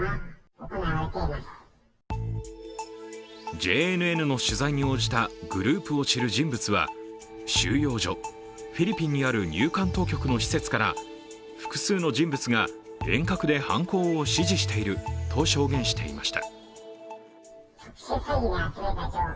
ＪＮＮの取材に応じたグループを知る人物は収容所＝フィリピンにある入管当局の施設から複数の人物が遠隔で犯行を指示していると証言していました。